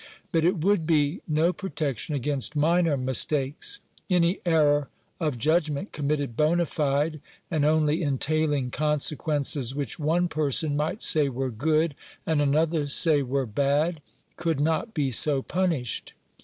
But it would be no protection against minor mistakes; any error of judgment committed bona fide, and only entailing consequences which one person might say were good, and another say were bad, could not be so punished.